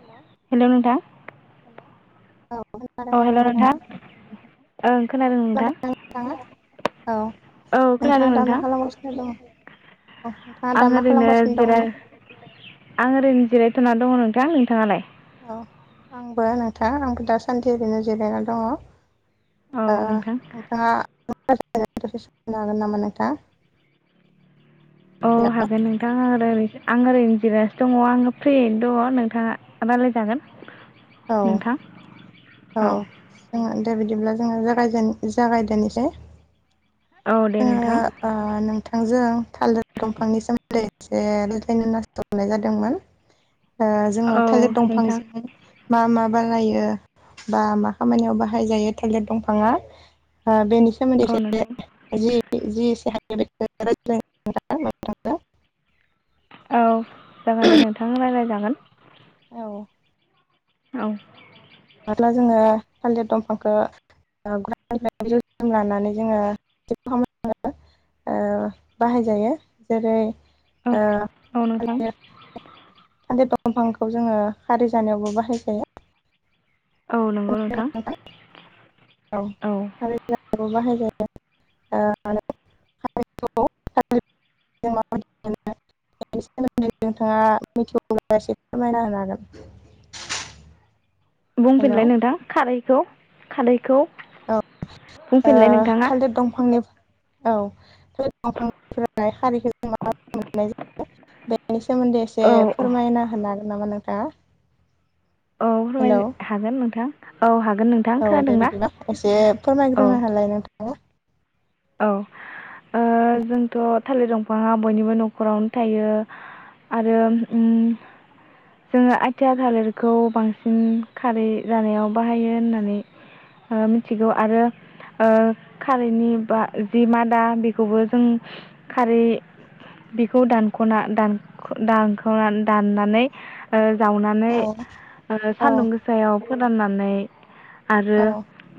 Hello hello नोंथां hello औ खोनादोंना हेल' नोंथां नोंथाङा? ओं औ खोनादों नोंथां खोनादोंना नोंथाङा औ औ खोनादों नोंथाङा दा नोंथां मा खालामगासिनो दं? आं ओरैनो जिराय आं ओरैनो जिरायथ'ना दङ नोंथां नोंथाङालाय? औ आंबो नोंथां आंबो दासान्दि ओरैनो जिरायना दङ। औ ओ नोंथां नोंथाङा [unintelligible] हागोन नामा नोंथाङा [unintelligible] औ हागोन नोंथां। ओैरै आं ओरैनो जिरायनासो दङ आङो फ्रियैनो दङ नोंथाङा रायलायजागोन औ नोंथां औ जोङो दा बिदिब्ला जोङो जागायजेन जागायदोनोसै औ दे नोंथां जोङो ओ नोंथां थांजों थालिर दंफांनि सोमोन्दै एसे रायलायनो होनना हरनाय जादोंमोन जोङो औ थालिर नोंथां दंफांजों मा मा बारायो बा मा खामानियाव बाहाय जायो थालिर दंफाङा ओ बेनि औ नोंथां [unintelligible] [unintelligible] औ जागोन दे नोंथां रायलायजागोन औ औ अब्ला जोङो थालिर दंफांखौ [unintelligible] जोम लानानै जोङो बाहायजायो जेरै औ ओ औ [unintelligible] नोंथां थालिर दंफांखौ जोङो खारि जानायावबो बाहायखायो औ नंगौ नोंथां [unintelligible] औ बाहाय [unintelligible] नोंथाङा मिथिगौबा एसे फोरमायना होनोहागोन बुंफिनलाय नोंथां खारैखौ खारैखौ औ ओ बुंफिनलाय नोंथाङा थालिर दंफांनि औ थालिर दंफांनिफ्राय खारिखौ जों माबोरै मोननाय जायो बेनि सोमोन्दै सोमोन्दै एसे औ औ फोरमायना होनो हागोन नामा नों थाङा? औ फोरमाय हागोन नोंथां। औ हा औ दे बिदिबा एसे औ फोरमायग्रोनो होलाय नोंथाङा औ ओ जोंथ' थालिर दंफाङा बयनिबो न'खरावनो थायो आरो ओम जोङो आयथिया थालिरखौ बांसिन खारै जानायाव बाहायो होननानै ओ मिथिगौ ओ आरो ओ खारैनि बा जि मादा बेखौबो जों खारै बेखौ दानख'ना दान-दानख'ना दाननानै आ जावनानै औ औ सान्दुं ओ गोसायाव फोराननानै आरो औ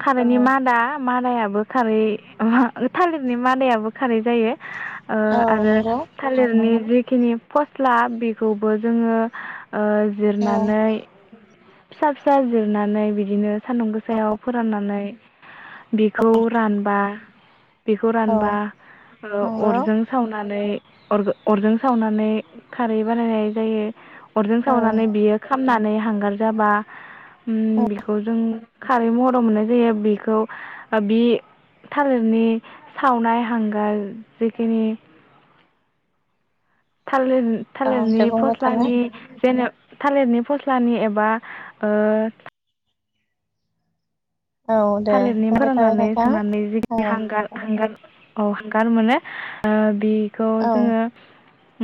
थालिरनि मादा मादायाबो खारै थालिरनि मादायाबो खारै जायो ओ औ आरो नंगौ थालिरनि जि खिनि फस्ला बेखौबो जोङो ओ औ जिरनानै फिसा फिसा जिरनानै बिदिनो सान्दुं गोसायाव फोराननानै बिखौ रानबा बेखौ औ रानबा र नंगौ अरजों सावनानै अर अरजों सावनानै खारै बानायनाय जायो। अरजों औ सावनानै बियो खामनानै हांगार जाबा उम बेखौ जों खारै महराव मोननाय जायो बेखौ ओ बि थालिरनि सावनाय हांगार जखिनि थालिर औ थालिरनि दे बुंबाय थालाय फस्लानि जेनेबा थालिरनि फस्लानि एबा ओ औ दे थालिरनि बुंबाय थालाय फोरोंनानै नोंथां सावनानै औ जिखिनि हांगार हांगार औ हांगार मानो ओ बि बेखौ औ जोङो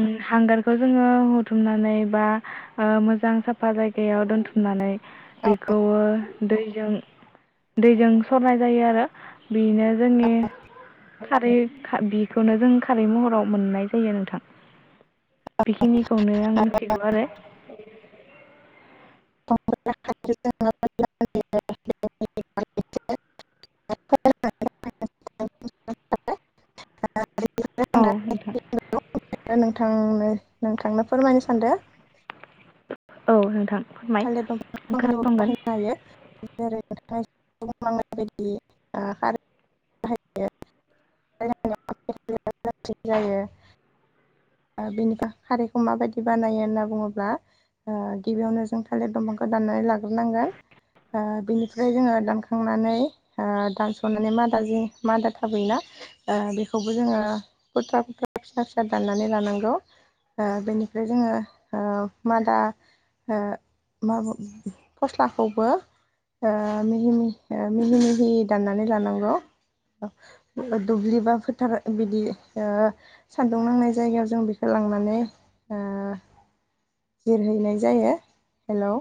उम हांगारखौ जोङो हुथुमनानै बा ओ मोजां साफा जायगायाव दोनथुमनानै बेखौ ओ दैजों दैजों सरनाय जायो आरो बेनो जोंनि खारै खा बिखौनो जों खारै महराव मोननाय जायो नोंथां। बेखिनिखौनो आं मिथिगौ आरो। [unintelligible] [unintelligible] औ नोंथां नोंथां नोंथांनो फोरमायनो सानदो। औ नोंथां। फोरमाय थालिर दंफां बाहायनो खोनासंगोन हायो जेरै [unintelligible] ओ बेनिफ्राय खारैखौ माबायदि बानायो होनना बुङोब्ला ओ गिबियावनो जों थालिर दंफांखौ दाननानै लाग्रोनांगोन ओ बेनिफ्राय जोङो दानखांनानै ओ दानस'नानै मादाजि मादा थाबोयोना ओ बेखौबो जोङो खुथ्रा खुथ्रा फिसा फिसा दाननानै लनांगौ ओ बेनिफ्राय जोङो ओ माद ओ माबु फस्लाखौबो ओ मिहि-मिहि ओ मिहि-मिहि दाननानै लानांगौ दुब्लि बा फोथार बिदि ओ सानदुं नांनाय जायगायाव जों बेखौ लांनानै ओ जिरहैनाय जायो हेलौ